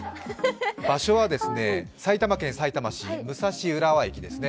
場所はですね、埼玉県さいたま市武蔵浦和駅ですね。